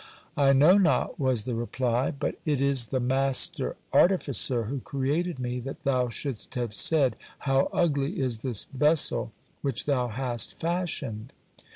"I know not," was the reply, "but it is the Master Artificer who created me that thou shouldst have said: 'How ugly is this vessel which Thou hast fashioned.'"